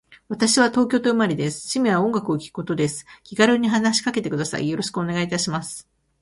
私は東京都生まれです。趣味は音楽を聴くことです。気軽に話しかけてください。よろしくお願いいたします。